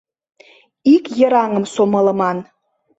Ик йыраҥым сомылыман.